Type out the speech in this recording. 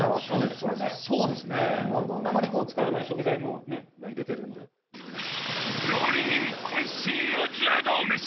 これねそうですねあんまり使わない食材もね入れてるので料理人渾身の邪道メシ